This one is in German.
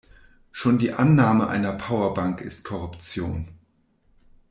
Schon die Annahme einer Powerbank ist Korruption.